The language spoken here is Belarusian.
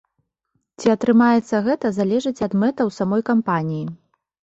Ці атрымаецца гэта, залежыць ад мэтаў самой кампаніі.